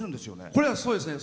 そうですね。